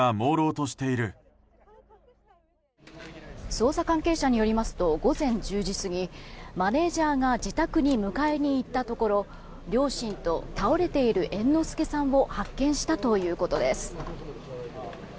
捜査関係者によりますと午前１０時過ぎマネジャーが自宅に迎えに行ったところ両親と、倒れている猿之助さんを発見したということです。